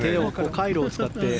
カイロを使って。